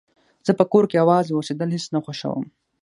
زه په کور کې يوازې اوسيدل هيڅ نه خوښوم